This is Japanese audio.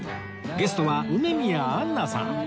ゲストは梅宮アンナさん